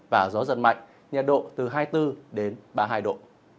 và gió giật mạnh nhiệt độ từ hai mươi bốn đến ba mươi hai độ